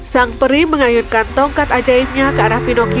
sang peri mengayunkan tongkat ajaibnya ke arah pinocchio